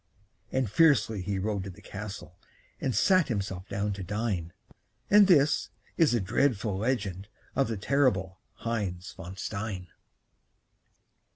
And fiercely he rode to the castle And sat himself down to dine; And this is the dreadful legend Of the terrible Heinz von Stein.